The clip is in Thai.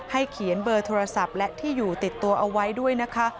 เขียนเบอร์โทรศัพท์และที่อยู่ติดตัวเอาไว้ด้วยนะคะ